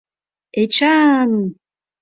— Эчан!..